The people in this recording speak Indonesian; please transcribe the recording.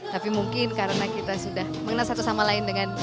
tapi mungkin karena kita sudah mengenal satu sama lain dengan